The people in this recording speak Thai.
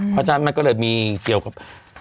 เพราะฉะนั้นมันก็เลยมีเกี่ยวกับ